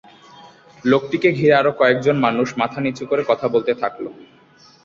লোকটিকে ঘিরে আরও কয়েকজন মানুষ মাথা নিচু করে কথা বলতে থাকল।